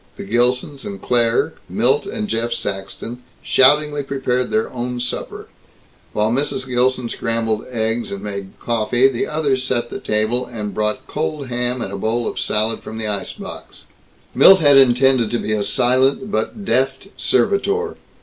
The Gilsons and Claire, Milt and Jeff Saxton, shoutingly prepared their own supper. While Mrs. Gilson scrambled eggs and made coffee, the others set the table, and brought cold ham and a bowl of salad from the ice box. Milt had intended to be a silent but deft servitor.